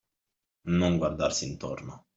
Non guardarsi intorno.